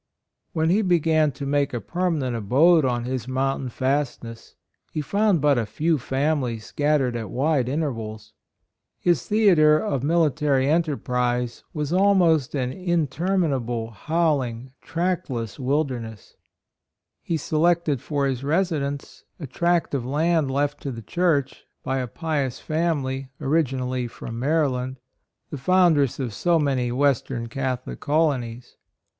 When he began to make a per manent abode on his mountain fast ness, he found but a few families, scattered at wide intervals. His theatre of missionary enterprise HIS ESTATE. 51 was almost an interminable, howl ing, trackless wilderness. He se lected for his residence a tract of land left to the Church by a pious family, originally from Maryland, the foundress of so many Western Catholic colonies.